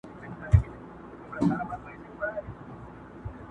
هغې ته پخوانۍ پېښه کله کله ذهن ته راځي ناڅاپه،